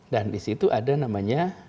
dan disitu ada namanya